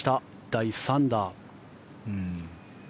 第３打。